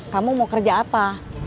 kamu mau kerja apa